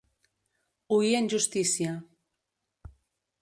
Oir en justícia.